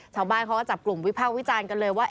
ชาวบ้านเขาก็จับกลุ่มวิภาควิจารณ์กันเลยว่า